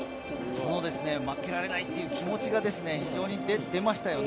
負けられないっていう気持ちがですね、非常に出ましたよね。